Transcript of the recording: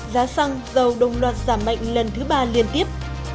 giá xăng dầu đồng loạt giảm mạnh lần thứ ba liên tiếp